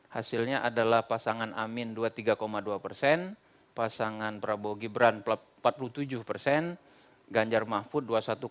hasilnya adalah pasangan amin dua puluh tiga dua persen pasangan prabowo gibran empat puluh tujuh persen ganjar mahfud dua puluh satu tujuh